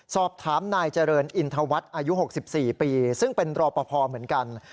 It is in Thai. สอบถามนายเจริญอินทวัฒน์อายุ๖๔ปีซึ่งเป็นรอปภเหมือนกัน